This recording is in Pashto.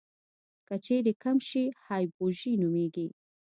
که چیرې کم شي هایپوژي نومېږي.